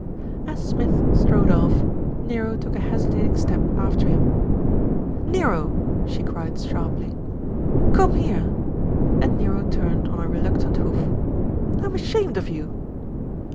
As Smith strode off, Nero took a hesitating step after him. "Nero !" she cried sharply. "Come here," and Nero turned on a reluctant hoof. "I'm ashamed of you